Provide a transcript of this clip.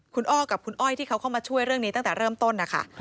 คุณอ้อกับคุณอ้อยที่เขาเข้ามาช่วยเรื่องนี้ตั้งแต่เริ่มต้นนะคะ